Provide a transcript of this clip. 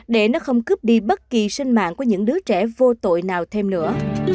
để nó không cướp đi bất kỳ sinh mạng của những đứa trẻ vô tội nào thêm nữa